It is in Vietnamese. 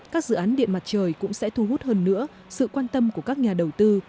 các dự án điện mặt trời cũng sẽ thu hút hơn nữa sự quan tâm của các nhà đầu tư